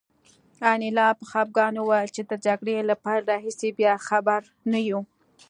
انیلا په خپګان وویل چې د جګړې له پیل راهیسې بیا خبر نه یو